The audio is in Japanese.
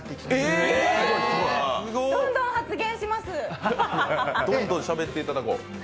どんどんしゃべっていただこう。